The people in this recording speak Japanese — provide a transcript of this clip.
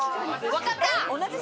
わかった。